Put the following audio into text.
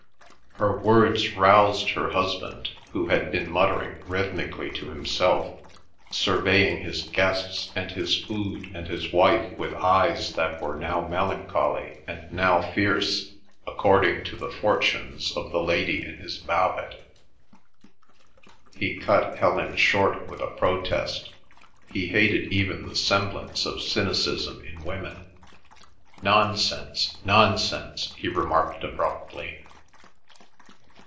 Her words roused her husband, who had been muttering rhythmically to himself, surveying his guests and his food and his wife with eyes that were now melancholy and now fierce, according to the fortunes of the lady in his ballad. He cut Helen short with a protest. He hated even the semblance of cynicism in women. "Nonsense, nonsense," he remarked abruptly.